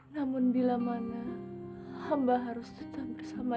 namun bila mana hamba harus tetap bersama dengan mbak